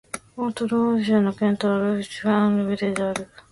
オート＝ロワール県の県都はル・ピュイ＝アン＝ヴレである